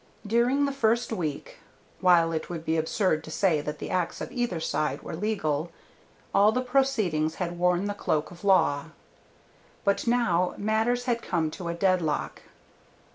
During the first week, while it would be absurd to say that the acts of either side were legal, all the proceedings had worn the cloak of law. But now matters had come to a deadlock.